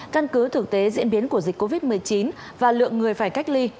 căn cứ thực tế diễn biến của dịch covid một mươi chín và lượng người phải cách ly